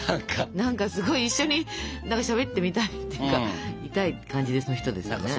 何かすごい一緒にしゃべってみたいっていうかみたい感じの人ですよね。